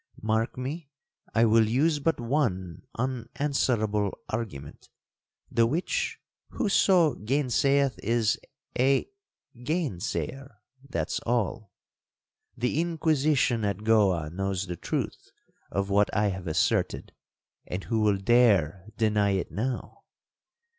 Mark me, I will use but one unanswerable argument, the which whoso gainsayeth is a—gainsayer—that's all. The Inquisition at Goa knows the truth of what I have asserted, and who will dare deny it now?'